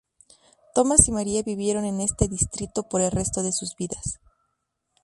Thomas y Maria vivieron en este distrito por el resto de sus vidas.